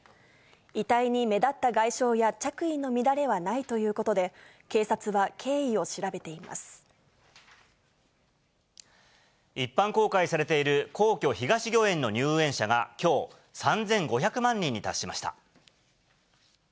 遺体に目立った外傷や着衣の乱れはないということで、一般公開されている皇居・東御苑の入園者がきょう、３５００万人に達しました。